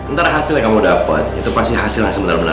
ntar hasilnya kamu dapet itu pasti hasilnya sebenernya